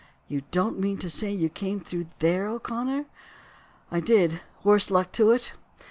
"You don't mean to say you came through there, O'Connor?" "I did, worse luck to it?"